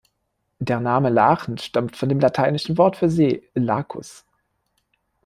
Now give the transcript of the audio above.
Der Name Lachen stammt von dem lateinischen Wort für See: lacus.